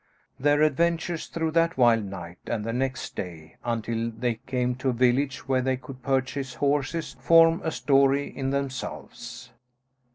Their adventures through that wild night and the next day, until they came to a village where they could purchase horses, form a story in themselves.